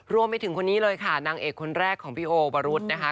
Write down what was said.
รวมไปถึงคนนี้เลยค่ะนางเอกคนแรกของพี่โอวรุษนะคะ